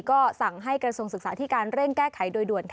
ก็สั่งให้กรณสงสำธิการเร่งแก้ไขโดยด่วน